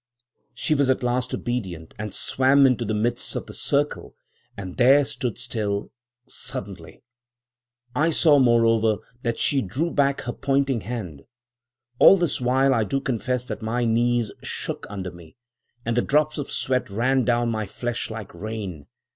"She was at last obedient, and swam into the midst of the circle, and there stood still, suddenly. I saw, moreover, that she drew back her pointing hand. All this while I do confess that my knees shook under me, and the drops of sweat ran down my flesh like rain.